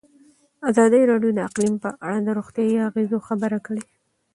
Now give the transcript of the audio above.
ازادي راډیو د اقلیم په اړه د روغتیایي اغېزو خبره کړې.